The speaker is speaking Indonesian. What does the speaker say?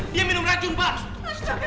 dia minum racun pak